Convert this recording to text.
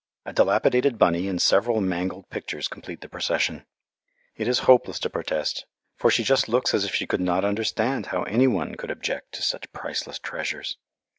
A dilapidated bunny and several mangled pictures complete the procession. It is hopeless to protest, for she just looks as if she could not understand how any one could object to such priceless treasures.